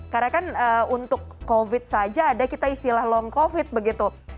karena kan untuk covid saja ada kita istilah long covid begitu